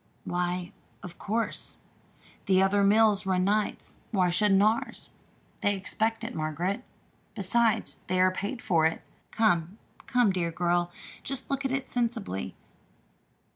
"Why, of course. Other mills run nights; why shouldn't ours? They expect it, Margaret. Besides, they are paid for it. Come, come, dear girl, just look at it sensibly.